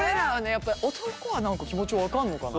やっぱり男は何か気持ち分かんのかな。